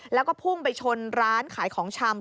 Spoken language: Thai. แล้วก็พุ่งไปชนร้านขายของชำ